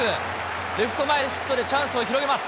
レフト前ヒットでチャンスを広げます。